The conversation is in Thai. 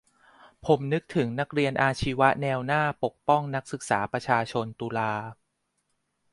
ผมนึกถึงนร.อาชีวะแนวหน้าปกป้องนศ.ประชาชนตุลา